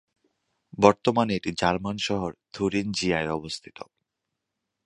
বর্তমানে এটি জার্মান শহর থুরিনজিয়ায় অবস্থিত।